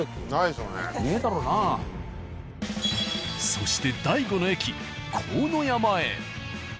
そして第５の駅鴻野山へ。